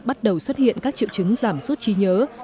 bắt đầu xuất hiện các triệu chứng giảm suốt trí nhớ